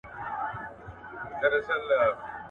ډیپلوماټیک مصونیت د سفیرانو لپاره مهم دی.